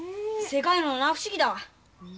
世界の七不思議だわ。